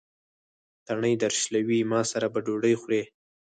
تڼۍ درشلوي: ما سره به ډوډۍ خورې.